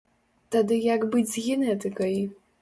Тады як быць з генетыкай?